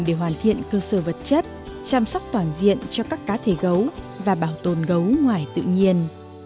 để hoàn thiện cơ sở vật chất chăm sóc toàn diện cho các cá thể gấu và bảo tồn gấu ngoài tự nhiên